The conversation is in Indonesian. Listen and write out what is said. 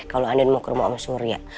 kalo andin mau ke rumah om surya